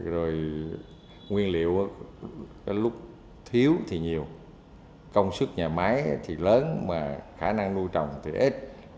rồi nguyên liệu lúc thiếu thì nhiều công sức nhà máy thì lớn mà khả năng nuôi trồng thì ít